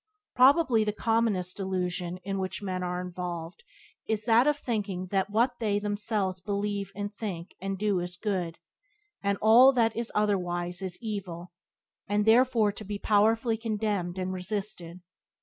Probably the commonest delusion in which men are involved is that of thinking that what they themselves believe and think and do is good, and all that is otherwise is evil, and therefore to be powerfully condemned and resisted.